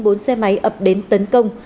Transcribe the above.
bốn xe máy ập đến tấn công